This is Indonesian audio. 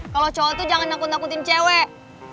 kalau cowok tuh jangan nakut nakutin cewek